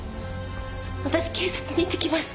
私警察に行ってきます。